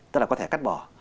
tức là có thể cắt bỏ